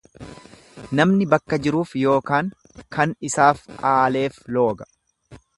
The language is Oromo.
Namni bakka jiruuf ykn kan isaaf aaleef looga.